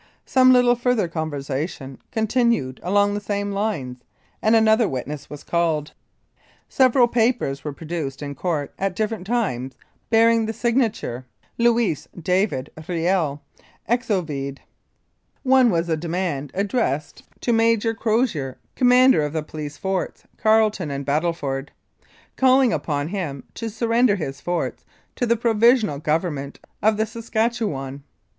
Some little further conversation continued along the same lines, and another witness was called. Several papers were produced in Court at different times bearing the signature, "Louis David Kiel, Exovede." One was a demand addressed, "To Major Crozier, 209 Mounted Police Life in Canada Commander of the Police Forts, Carlton and Battle ford," calling upon him to surrender his forts to the Provisional Government of the Saskatchewan.